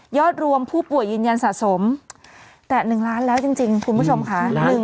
รวมผู้ป่วยยืนยันสะสมแต่๑ล้านแล้วจริงคุณผู้ชมค่ะ